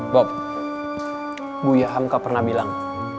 bob bu yahamka pernah bilang